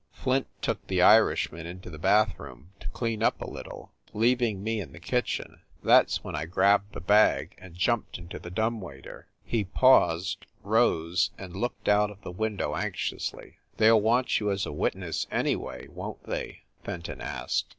Flint took the Irishman into the bathroom to clean up a little, leaving me in the kitchen. That s when I grabbed the bag and jumped into the dumb waiter." He paused, rose and looked out of the window anxiously. "They ll want you as a witness, anyway, won t they?" Fenton asked.